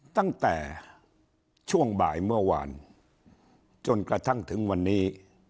ตั้งแต่ช่วงบ่ายเมื่อวานจนกระทั่งถึงวันนี้